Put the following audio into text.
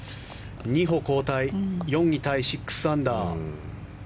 ２歩後退４位タイ、６アンダー。